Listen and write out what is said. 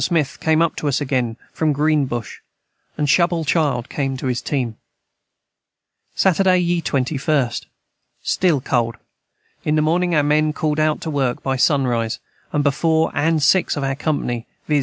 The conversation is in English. Smith came up to us again from Green Bush, & Shubal child came to his team. Saturday ye 21st. Still cold in the morning our men cald out to work by sonrise or before & 6 of our company viz.